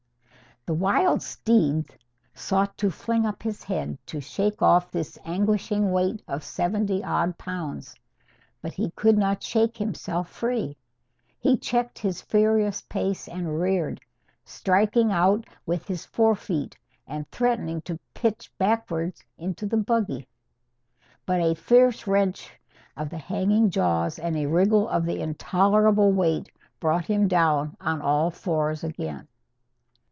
The wild steed sought to fling up his head to shake off this anguishing weight of seventy odd pounds. But he could not shake himself free. He checked his furious pace and reared, striking out with his forefeet, and threatening to pitch backward into the buggy. But a fierce wrench of the hanging jaws and a wriggle of the intolerable weight brought him down on all fours again.